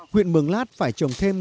huyện mường lát phải trồng thêm